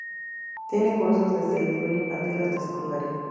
Tiene cursos desde el nivel infantil hasta secundaria.